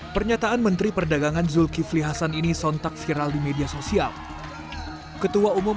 pernyataan menteri perdagangan zulkifli hasan ini sontak viral di media sosial ketua umum